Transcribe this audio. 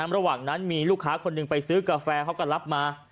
ระหว่างนั้นมีลูกค้าคนหนึ่งไปซื้อกาแฟเขาก็รับมา